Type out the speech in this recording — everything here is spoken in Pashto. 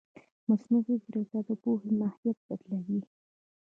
مصنوعي ځیرکتیا د پوهې ماهیت بدلوي.